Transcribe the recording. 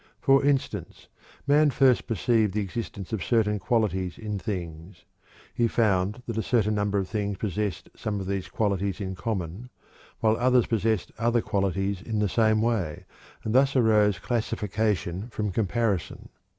For instance, man first perceived the existence of certain qualities in things. He found that a certain number of things possessed some of these qualities in common, while others possessed other qualities in the same way, and thus arose classification from comparison.